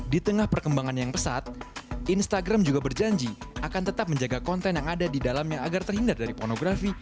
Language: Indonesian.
di tengah perkembangan yang pesat instagram juga berjanji akan tetap menjaga konten yang ada di dalamnya agar terhindar dari pornografi